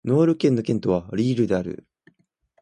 ノール県の県都はリールである